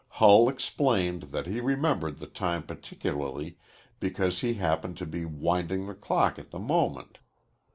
Hull explained that he remembered the time particularly because he happened to be winding the clock at the moment.